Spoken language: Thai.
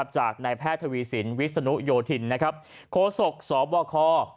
จากนายแพทย์ทวีสินวิศนุโยธินโคศกสบค